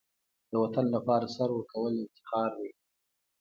د وطن لپاره سر ورکول افتخار دی.